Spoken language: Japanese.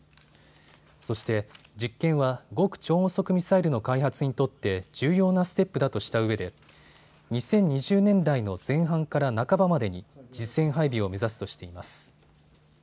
そして実験は極超音速ミサイルの開発にとって重要なステップだとしたうえで２０２０年代の前半から半ばまでに実戦配備を目指すとしています。